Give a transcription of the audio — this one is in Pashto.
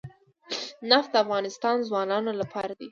نفت د افغان ځوانانو لپاره دلچسپي لري.